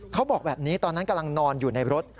เขาบอกแบบนี้ตอนนั้นกำลังนอนอยู่ในรถ